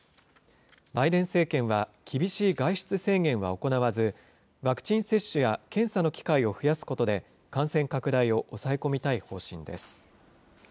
バイデン政権は、厳しい外出制限は行わず、ワクチン接種や検査の機会を増やすことで、感染拡大を抑え込みたい方針です。